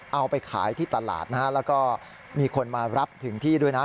เอาไปขายที่ตลาดนะฮะแล้วก็มีคนมารับถึงที่ด้วยนะ